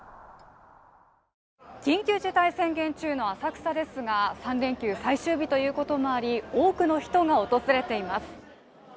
緊急事態宣言中の浅草ですが３連休最終日ということもあり多くの人が訪れています